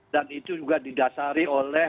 dan itu juga didasari oleh